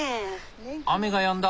雨がやんだ。